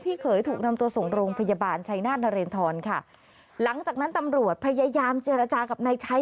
เขยถูกนำตัวส่งโรงพยาบาลชัยนาธนเรนทรค่ะหลังจากนั้นตำรวจพยายามเจรจากับนายชัย